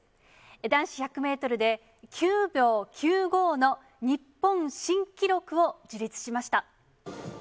男子１００メートルで、９秒９５の日本新記録を樹立しました。